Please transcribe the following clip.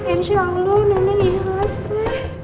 insya allah nenek iya allah teh